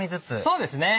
そうですね。